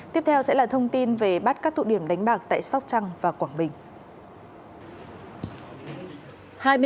tiếp theo sẽ là thông tin về bắt các tụ điểm đánh bạc tại sóc trăng và quảng bình